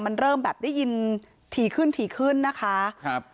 มันเริ่มแบบได้ยินถี่ขึ้นถี่ขึ้นนะคะครับ